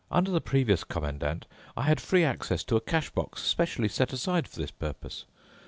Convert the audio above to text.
Under the previous Commandant, I had free access to a cash box specially set aside for this purpose.